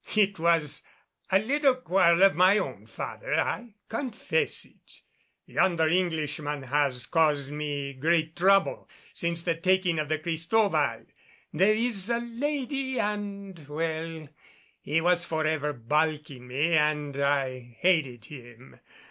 "It was a little quarrel of my own, father. I confess it, yonder Englishman has caused me great trouble since the taking of the Cristobal. There is a lady and well, he was forever balking me and I hated him.